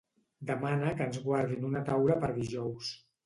Demana que ens guardin una taula per dijous.